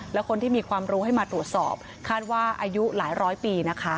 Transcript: และคนที่มีความรู้ให้มาตรวจสอบคาดว่าอายุหลายร้อยปีนะคะ